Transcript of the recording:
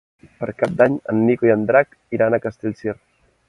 Per Cap d'Any en Nico i en Drac iran a Castellcir.